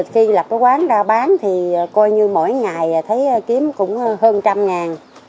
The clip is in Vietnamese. khi lập cái quán ra bán thì coi như mỗi ngày thấy kiếm cũng hơn trăm ngàn